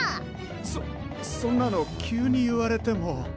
そそんなの急に言われても。